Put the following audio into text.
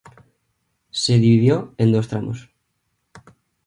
Si dividió en dos tramos;